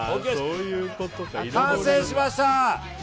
完成しました！